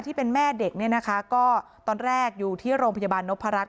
ที่เป็นแม่เด็กเนี่ยนะคะก็ตอนแรกอยู่ที่โรงพยาบาลนพรักษ